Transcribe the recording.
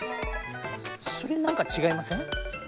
それなんかちがいません？